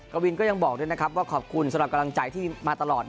กวินก็ยังบอกด้วยนะครับว่าขอบคุณสำหรับกำลังใจที่มาตลอด